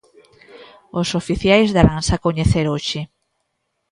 Os oficiais daranse a coñecer hoxe.